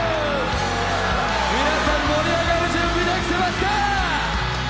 皆さん、盛り上がる準備できてますかー！